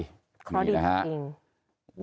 เขาดีจริง